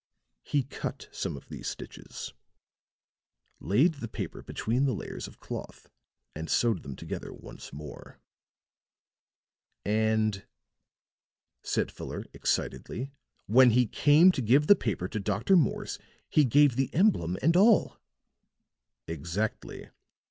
He cut some of these stitches, laid the paper between the layers of cloth and sewed them together once more." "And," said Fuller, excitedly, "when he came to give the paper to Dr. Morse, he gave the emblem and all." "Exactly.